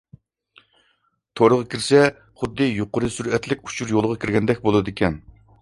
تورغا كىرسە، خۇددى يۇقىرى سۈرئەتلىك ئۇچۇر يولىغا كىرگەندەك بولىدىكەن.